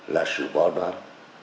là sự bỏ đoán